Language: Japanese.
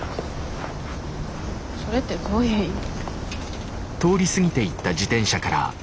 それってどういう意味？